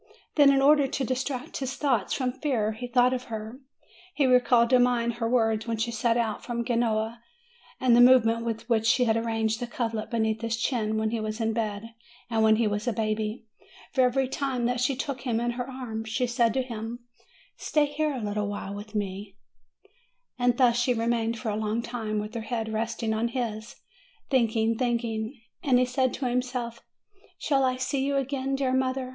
Then, in order to distract his thoughts from fear, he thought of her; he recalled to mind her words when she had set out from Genoa, and the movement with which she had arranged the coverlet beneath his chin when he was in bed, and when he was a baby; for every time that she took him in her arms, she said to him, "Stay here a little while with me;" and thus she FROM APENNINES TO THE ANDES 283 remained for a long time, with her head resting on his, thinking, thinking. And he said to himself: "Shall I see you again, dear mother?